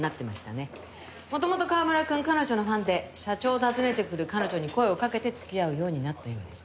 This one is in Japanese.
元々川村君彼女のファンで社長を訪ねてくる彼女に声をかけて付き合うようになったようです。